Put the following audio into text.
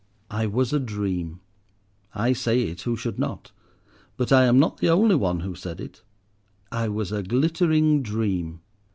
I was a dream. I say it who should not; but I am not the only one who said it. I was a glittering dream.